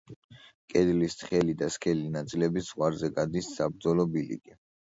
კედლის თხელი და სქელი ნაწილების ზღვარზე გადის საბრძოლო ბილიკი.